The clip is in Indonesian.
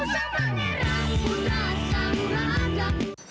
aku sampai ngara ku rasa murah aja